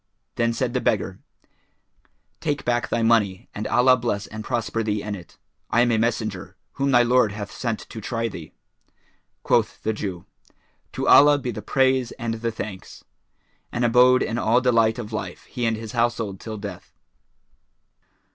Then said the beggar, "Take back thy money and Allah bless and prosper thee in it; I am a Messenger,[FN#416] whom thy Lord hath sent to try thee." Quoth the Jew, "To Allah be the praise and the thanks!" and abode in all delight of life he and his household till death.